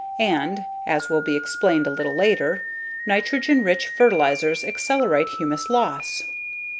And (as will be explained a little later) nitrogen rich fertilizers accelerate humus loss.